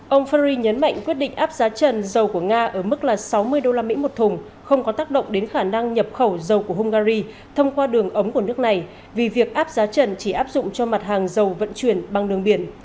ông fari nhấn mạnh quyết định áp giá trần dầu của nga ở mức là sáu mươi usd một thùng không có tác động đến khả năng nhập khẩu dầu của hungary thông qua đường ống của nước này vì việc áp giá trần chỉ áp dụng cho mặt hàng dầu vận chuyển bằng đường biển